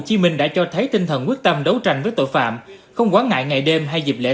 chí minh đã cho thấy tinh thần quyết tâm đấu tranh với tội phạm không quán ngại ngày đêm hay dịp lễ